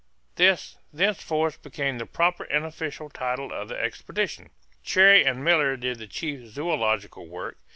This thenceforth became the proper and official title of the expedition. Cherrie and Miller did the chief zoological work.